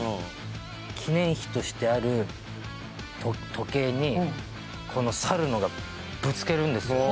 記念碑としてある時計にこの猿野がぶつけるんですよ。